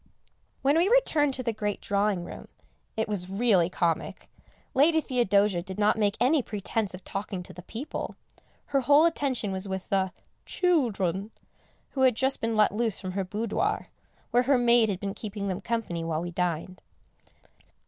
[Sidenote: After Dinner] When we returned to the great drawing room, it was really comic. Lady Theodosia did not make any pretence of talking to the people. Her whole attention was with the "children," who had just been let loose from her boudoir, where her maid had been keeping them company while we dined.